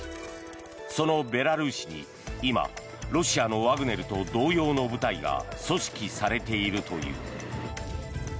そのベラルーシに今、ロシアのワグネルと同様の部隊がただいま。